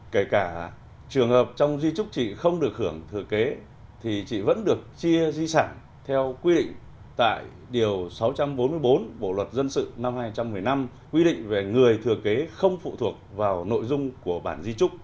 kể cả trường hợp trong duy trúc chị không được hưởng thừa kế thì chị vẫn được chia duy sản theo quy định tại điều sáu trăm bốn mươi bốn bộ luật dân sự năm hai nghìn một mươi năm quy định về người thừa kế không phụ thuộc vào nội dung của bản di trúc